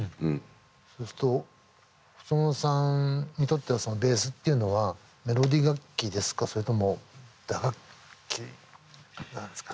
そうすると細野さんにとってはベースっていうのはメロディー楽器ですかそれとも打楽器なんですかね？